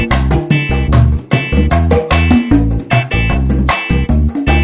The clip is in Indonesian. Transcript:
aku udah ada yang jungkut